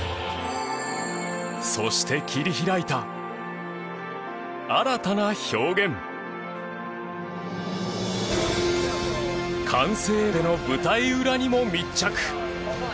そして切り開いた完成までの舞台裏にも密着。